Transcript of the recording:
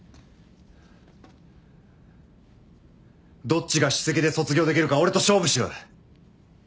どっちが首席で卒業できるか俺と勝負しろ。